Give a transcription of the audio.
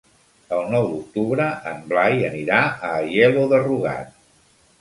El nou d'octubre en Blai anirà a Aielo de Rugat.